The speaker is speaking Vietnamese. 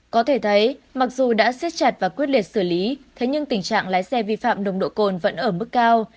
có thể thấy mặc dù đã xếp chặt và quyết liệt xử lý thế nhưng tình trạng lái xe vi phạm nồng độ cồn vẫn ở mức cao